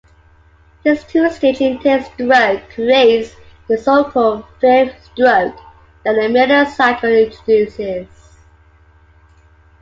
This two-stage intake stroke creates the so-called "fifth" stroke that the Miller cycle introduces.